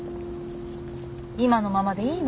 今のままでいいの？